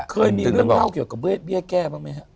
เคยมีเรื่องเล่าเกี่ยวกับเบี้ยแก้บ้างไหมครับ